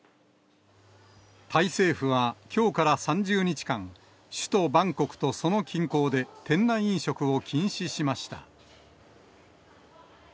タイ政府はきょうから３０日間、首都バンコクとその近郊で、店内飲食を禁止しました。